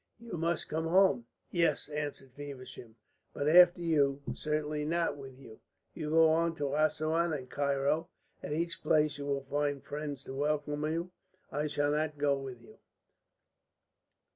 You must come home." "Yes," answered Feversham, "but after you, certainly not with you. You go on to Assouan and Cairo. At each place you will find friends to welcome you. I shall not go with you."